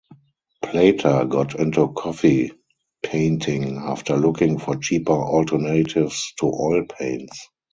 Plata got into coffee painting after looking for cheaper alternatives to oil paints.